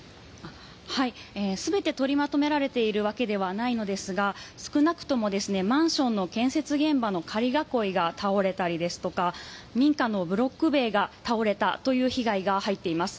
全て取りまとめられているわけではないのですが少なくともマンションの建設現場の仮囲いが倒れたりですとか民家のブロック塀が倒れたという被害が入っています。